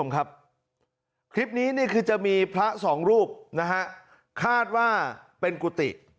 คลิ้ปนี้มีพระสองรูปนะครับคาดว่าเป็นกุติ